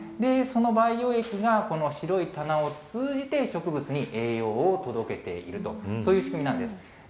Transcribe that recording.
その培養液が、この白い棚を通じて植物に栄養を届けていると、そういう仕組みなんです。